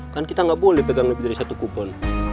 kan kita nggak boleh pegang lebih dari satu kupon